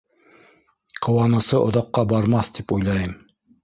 Ҡыуанысы оҙаҡҡа бармаҫ тип уйлайым.